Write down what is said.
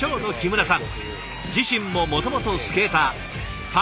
自身ももともとスケーター。